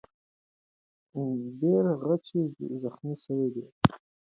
بیرغچی زخمي سوی وو.